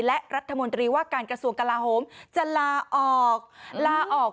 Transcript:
และรัฐมนตรีว่าการกระทรวงกลาโฮมจะลาออกลาออก